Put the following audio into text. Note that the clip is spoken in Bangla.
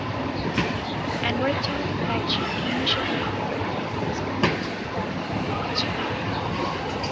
অ্যান্ড্রয়েডচালিত ফ্ল্যাগশিপ ফোন হিসেবে এতে উন্নত ডিসপ্লে প্রযুক্তি ব্যবহার করা হচ্ছে।